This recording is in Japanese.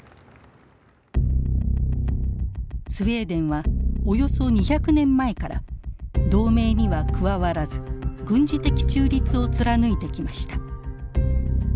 スウェーデンはおよそ２００年前から同盟には加わらず軍事的中立を貫いてきました。